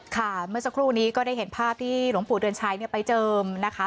เมื่อสักครู่นี้ก็ได้เห็นภาพที่หลวงปู่เดือนชัยไปเจิมนะคะ